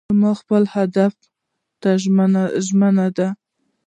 باز خپلو اهدافو ته ژمن دی